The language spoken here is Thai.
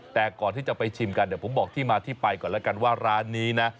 แต่ก่อนที่จะไปชิมกันเดี๋ยวผมบอกที่มาที่ไปก่อนแล้วกันว่าร้านนี้นะ